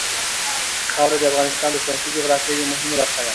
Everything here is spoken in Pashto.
خاوره د افغانستان د سیاسي جغرافیه یوه مهمه برخه ده.